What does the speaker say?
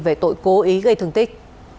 về tội cố ý gây thương tích